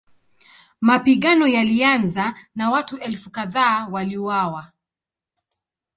Mapigano yalianza na watu elfu kadhaa waliuawa.